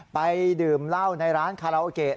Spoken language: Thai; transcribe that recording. ไปดื่มเหล้าในร้านคาราโอเกะ